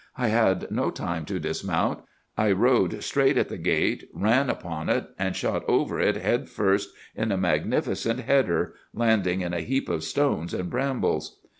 I had no time to dismount. I rode straight at the gate, ran upon it, and shot over it head first in a magnificent header, landing in a heap of stones and brambles.